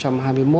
có thể nói là